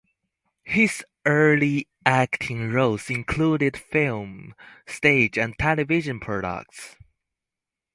His early acting roles included film, stage, and television productions.